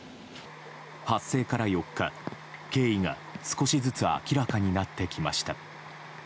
発生から４日、経緯が少しずつ明らかになってきました。